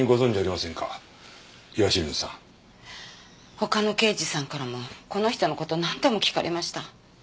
他の刑事さんからもこの人の事何度も聞かれました。